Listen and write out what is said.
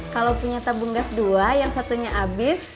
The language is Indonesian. kalau punya tabung gas dua yang satunya habis